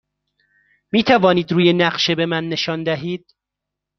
می توانید روی نقشه به من نشان دهید؟